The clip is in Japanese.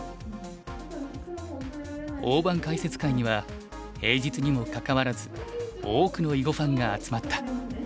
大盤解説会には平日にもかかわらず多くの囲碁ファンが集まった。